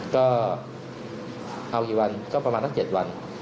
ก็เอาอีกวันก็ประมาณทั้งเจ็ดวัน